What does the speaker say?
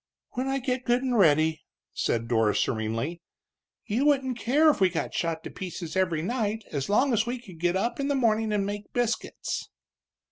"When I get good and ready," said Dora, serenely. "You wouldn't care if we got shot to pieces every night as long as we could get up in the morning and make biscuits!"